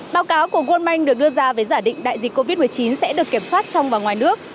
báo cáo của world bank được đưa ra với giả định đại dịch covid một mươi chín sẽ được kiểm soát trong và ngoài nước